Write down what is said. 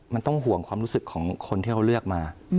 มันต้องห่วงความรู้สึกของคนที่เขาเลือกมา